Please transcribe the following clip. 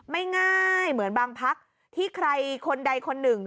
ไม่ง่ายเหมือนบางพักที่ใครคนใดคนหนึ่ง